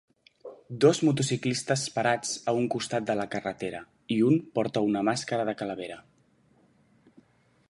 Dos motociclistes parats a un costat de la carretera, i un porta una màscara de calavera.